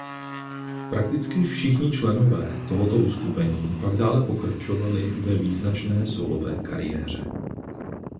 Prakticky všichni členové tohoto uskupení pak dále pokračovali ve význačné sólové kariéře.